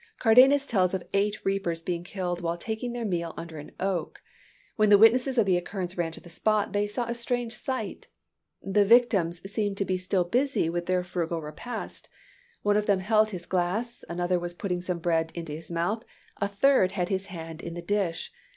Cardanus tells of eight reapers being killed while taking their meal under an oak. When the witnesses of the occurrence ran to the spot, they saw a strange sight. The victims "seemed to be still busy with their frugal repast. One of them held his glass, another was putting some bread into his mouth, a third had his hand in the dish.